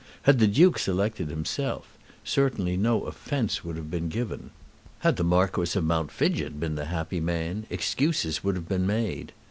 Had the Duke selected himself, certainly no offence would have been given. Had the Marquis of Mount Fidgett been the happy man, excuses would have been made.